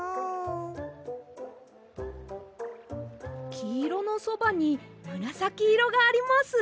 きいろのそばにむらさきいろがあります。